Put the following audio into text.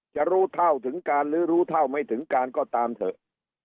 จะรู้เท่าถึงการหรือรู้เท่าไม่ถึงการก็ตามเถอะ